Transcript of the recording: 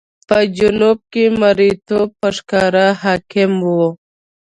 په جنوب کې مریتوب په ښکاره حاکم و.